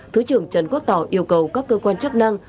thứ trưởng trần quốc tỏ yêu cầu các cơ quan chức năng